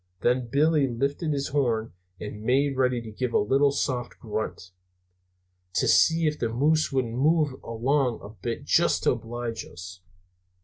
Then Billy lifted his horn and made ready to give a little soft grunt, to see if the moose wouldn't move along a bit, just to oblige us.